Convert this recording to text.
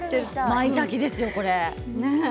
まいたけですよ、これ。